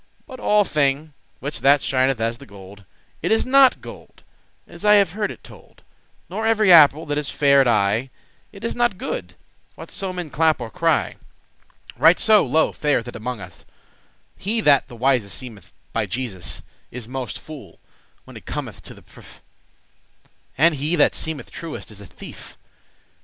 But all thing, which that shineth as the gold, It is not gold, as I have heard it told; Nor every apple that is fair at eye, It is not good, what so men clap* or cry. *assert Right so, lo, fareth it amonges us. He that the wisest seemeth, by Jesus, Is most fool, when it cometh to the prefe;* *proof, test And he that seemeth truest, is a thief.